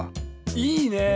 いいねえ。